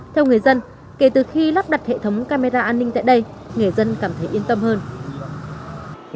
theo người dân kể từ khi lắp đặt hệ thống camera an ninh tại đây người dân cảm thấy yên tâm hơn